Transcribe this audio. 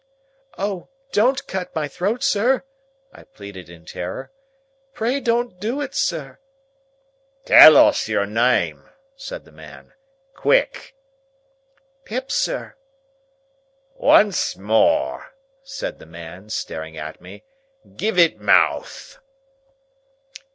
"Oh! Don't cut my throat, sir," I pleaded in terror. "Pray don't do it, sir." "Tell us your name!" said the man. "Quick!" "Pip, sir." "Once more," said the man, staring at me. "Give it mouth!"